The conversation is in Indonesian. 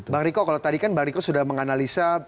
bang riko kalau tadi kan bang riko sudah menganalisa